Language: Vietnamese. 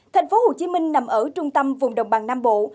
thành phố hồ chí minh nằm ở trung tâm vùng đồng bằng nam bộ